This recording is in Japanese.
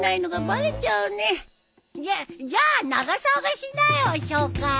じゃじゃあ永沢がしなよ紹介。